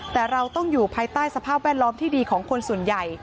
แต่เราต้องอยู่ภายใต้สภาพแวดล้อมที่ดีของคนส่วนใหญ่